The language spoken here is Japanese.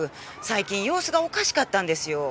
最近様子がおかしかったんですよ。